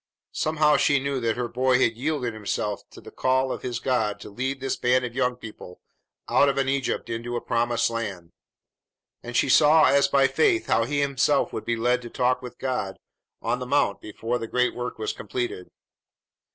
Somehow she knew that her boy had yielded himself to the call of his God to lead this band of young people out of an Egypt into a promised land, and she saw as by faith how he himself would be led to talk with God on the mount before the great work was completed.